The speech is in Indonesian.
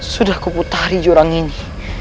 sudah kuputari jurang ini